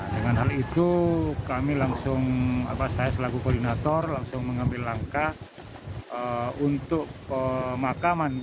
dengan hal itu kami langsung saya selaku koordinator langsung mengambil langkah untuk pemakaman